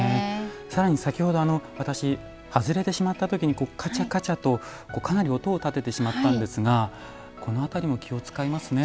さらに先ほど私、外れてしまったときにカチャカチャと、かなり音を立ててしまったんですがこの辺りも気を使いますね。